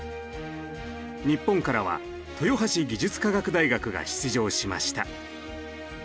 日本からは豊橋技術科学大学が出場しました。